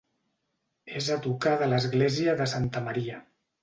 És a tocar de l'església de Santa Maria.